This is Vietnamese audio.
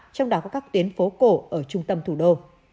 trong đó có các tuyến phố cổ ở trung tâm thủ đô